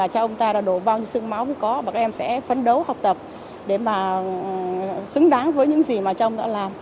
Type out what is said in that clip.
chúng ta đã đổ bao nhiêu sương máu cũng có và các em sẽ phấn đấu học tập để mà xứng đáng với những gì mà chồng đã làm